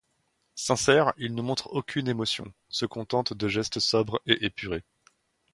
Sincère, il ne montre aucune émotion, se contente de gestes sobres et épurés.